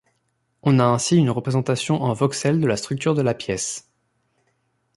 On a ainsi une représentation en voxel de la structure de la pièce.